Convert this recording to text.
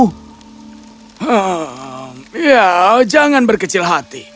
hmm ya jangan berkecil hati